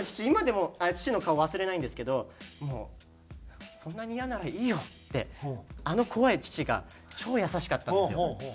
今でも父の顔忘れないんですけど「もうそんなにイヤならいいよ」ってあの怖い父が超優しかったんですよ。